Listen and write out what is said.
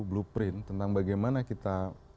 blueprint tentang bagaimana kita